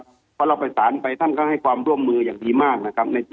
เพราะเราไปสารไปท่านก็ให้ความร่วมมืออย่างดีมาก